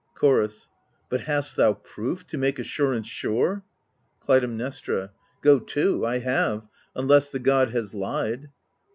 Chorus But hast thou proof, to make assurance sure ? Clytemnestra Go to ; I have — unless the god has lied.